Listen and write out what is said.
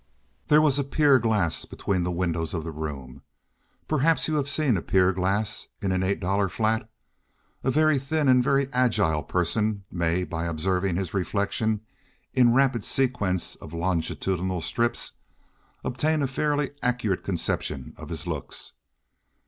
There was a pier glass between the windows of the room. Perhaps you have seen a pier glass in an $8 flat. A very thin and very agile person may, by observing his reflection in a rapid sequence of longitudinal strips, obtain a fairly accurate conception of his looks.